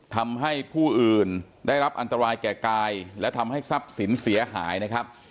ทำให้ผู้อื่นได้รับอันตรายแก่กายและทำให้ทรัพย์สินเสียหายนะครับ